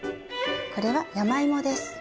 これは山芋です。